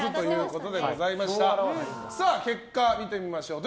結果、見てみましょう。